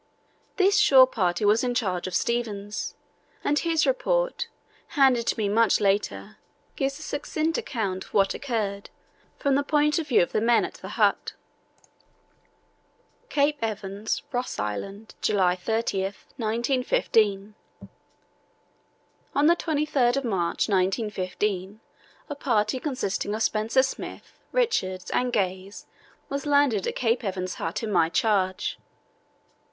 This shore party was in the charge of Stevens, and his report, handed to me much later, gives a succinct account of what occurred, from the point of view of the men at the hut: "CAPE EVANS, ROSS ISLAND, July 30, 1915. "On the 23rd March, 1915, a party consisting of Spencer Smith, Richards, and Gaze was landed at Cape Evans Hut in my charge.